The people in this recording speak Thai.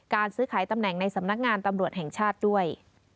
ซื้อขายตำแหน่งในสำนักงานตำรวจแห่งชาติด้วย